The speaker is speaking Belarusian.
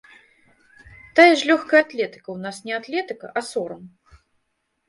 Тая ж лёгкая атлетыка ў нас не атлетыка, а сорам.